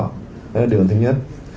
đó là điều thứ nhất